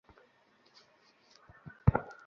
আমার মা ঠিক হয়ে যাবে।